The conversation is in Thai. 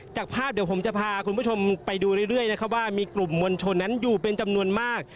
จากภาพเดี๋ยวผมจะพาคุณผู้ชมไปดูเรื่อยนะครับว่ามีกลุ่มมวลชนนั้นอยู่เป็นจำนวนมาก